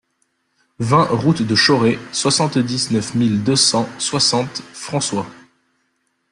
vingt route de Chauray, soixante-dix-neuf mille deux cent soixante François